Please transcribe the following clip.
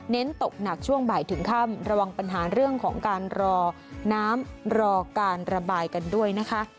ตกหนักช่วงบ่ายถึงค่ำระวังปัญหาเรื่องของการรอน้ำรอการระบายกันด้วยนะคะ